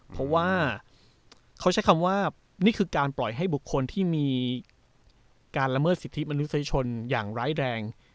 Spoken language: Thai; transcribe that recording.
เพราะว่าเขาใช้คำว่านี่คือการปล่อยให้บุคคลที่มีการละเมิดสิทธิมนุษยชนอย่างร้ายแรง